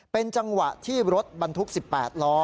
เป็นจังหวะที่รถบรรทุก๑๘ล้อ